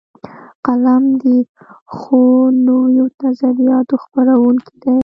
قلم د ښو نویو نظریاتو خپروونکی دی